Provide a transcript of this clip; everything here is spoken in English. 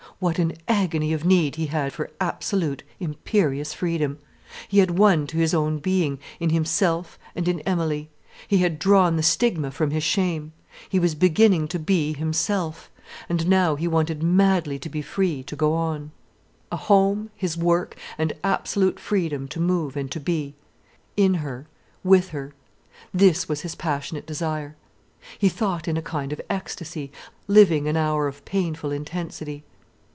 What an agony of need he had for absolute, imperious freedom. He had won to his own being, in himself and Emilie, he had drawn the stigma from his shame, he was beginning to be himself. And now he wanted madly to be free to go on. A home, his work, and absolute freedom to move and to be, in her, with her, this was his passionate desire. He thought in a kind of ecstasy, living an hour of painful intensity.